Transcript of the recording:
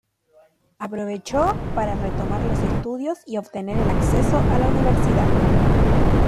Aprovechó para retomar los estudios y obtener el acceso a la universidad.